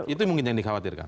itu mungkin yang dikhawatirkan